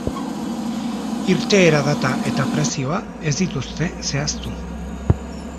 Irteera data eta prezioa ez dituzte zehaztu.